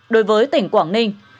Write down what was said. hai đối với tỉnh quảng ninh